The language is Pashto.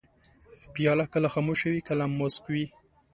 پیاله کله خاموشه وي، کله موسک وي.